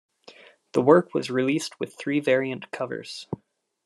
The work was released with three variant covers.